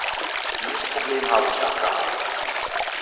Dieses Problem habe ich abgehakt.